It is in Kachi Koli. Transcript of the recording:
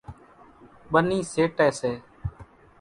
ٻنِي سيٽيَ سي۔